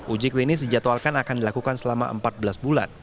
uji klinis dijadwalkan akan dilakukan selama empat belas bulan